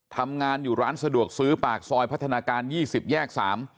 ทำงานอยู่ร้านสะดวกซื้อปากซอยพัฒนาการ๒๐แยก๓